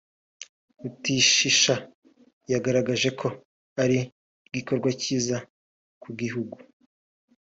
Rutishisha yagaragaje ko ari igikorwa cyiza ku gihugu